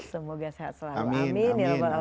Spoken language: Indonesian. semoga sehat selalu